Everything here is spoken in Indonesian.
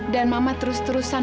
dan mama terus terusan